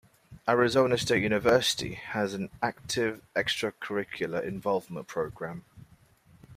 Arizona State University has an active extracurricular involvement program.